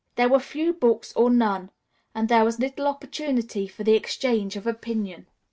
There were few books or none, and there was little opportunity for the exchange of opinion.